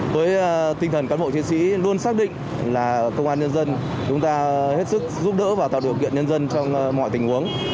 với tinh thần cán bộ chiến sĩ luôn xác định là công an nhân dân chúng ta hết sức giúp đỡ và tạo điều kiện nhân dân trong mọi tình huống